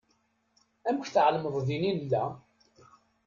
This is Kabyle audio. Amek tεelmeḍ din i nella?